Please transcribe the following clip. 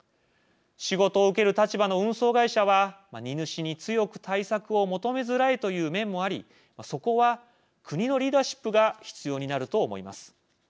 仕事を受ける立場の運送会社は荷主に強く対策を求めづらいという面もありそこは国のリーダーシップが必要になると思います。